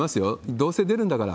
どうせ出るんだから。